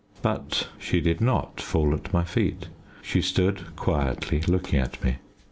But she did not fall at my feet; she stood quietly looking at me.